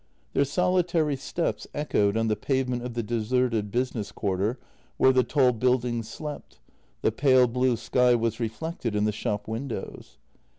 Their solitary steps echoed on the pavement of the deserted business quarter where the tall buildings slept — the pale blue sky was reflected in the shop windows.